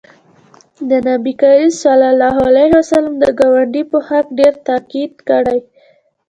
نبي کریم صلی الله علیه وسلم د ګاونډي په حق ډېر تاکید کړی